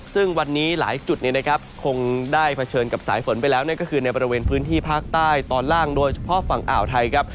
ซึ่งวันนี้หลายจุดคงได้เผชิญกับสายฝนไปแล้วนั่นก็คือในบริเวณพื้นที่ภาคใต้ตอนล่างโดยเฉพาะฝั่งอ่าวไทยครับ